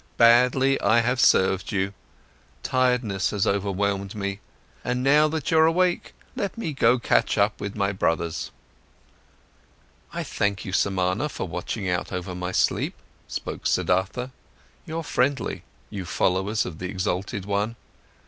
Badly, I have served you, tiredness has overwhelmed me. But now that you're awake, let me go to catch up with my brothers." "I thank you, Samana, for watching out over my sleep," spoke Siddhartha. "You're friendly, you followers of the exalted one.